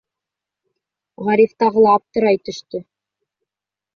Ғариф тағы ла аптырай төштө: